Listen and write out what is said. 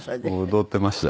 踊ってました。